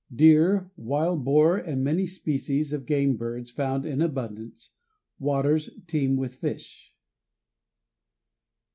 DEER, WILD BOAR, AND MANY SPECIES OF GAME BIRDS FOUND IN ABUNDANCE WATERS TEEM WITH FISH.